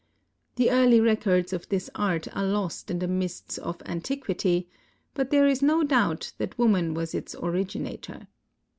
The early records of this art are lost in the mists of antiquity, but there is no doubt that woman was its originator.